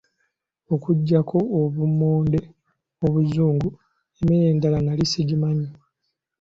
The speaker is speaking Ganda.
Okuggyako obummonde obuzungu, emmere endala nali sigimanyi.